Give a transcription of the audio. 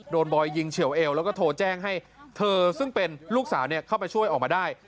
บอยยิงเฉียวเอวแล้วก็โทรแจ้งให้เธอซึ่งเป็นลูกสาวเข้าไปช่วยออกมาได้